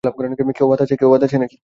কেউ বাদ আছে?